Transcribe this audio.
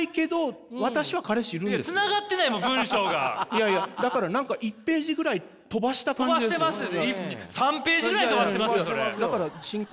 いやいやだから何か１ページぐらい飛ばした感じですよ。